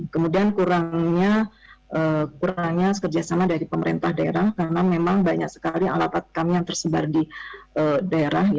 kemudian kurangnya kerjasama dari pemerintah daerah karena memang banyak sekali alat alat kami yang tersebar di daerah